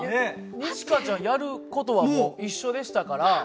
二千翔ちゃんやる事は一緒でしたから。